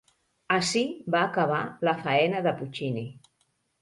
Ací va acabar la faena de Puccini.